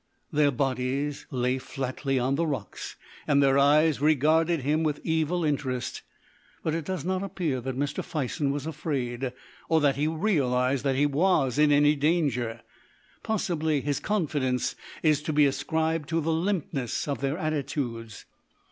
Their bodies lay flatly on the rocks, and their eyes regarded him with evil interest; but it does not appear that Mr. Fison was afraid, or that he realised that he was in any danger. Possibly his confidence is to be ascribed to the limpness of their attitudes.